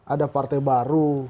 ada partai baru